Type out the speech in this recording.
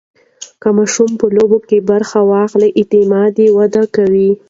که ماشوم په لوبو کې برخه واخلي، اعتماد یې وده کوي.